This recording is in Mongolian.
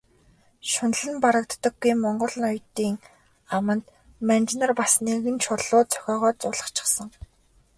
Шунал нь барагддаггүй монгол ноёдын аманд манж нар бас нэгэн чулуу зохиогоод зуулгачихсан.